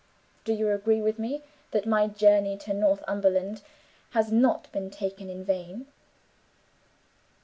Do you agree with me, that my journey to Northumberland has not been taken in vain?"